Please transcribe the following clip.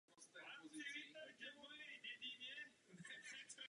Už od mládí se věnovala herectví.